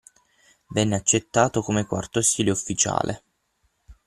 venne accettato come quarto stile ufficiale.